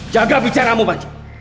jaga bicaramu pak enji